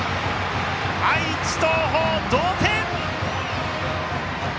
愛知・東邦、同点！